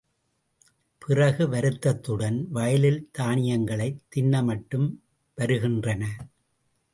பிறகு வருத்தத்துடன், வயலில் தானியங்களைத் தின்னமட்டும் வருகின்றன.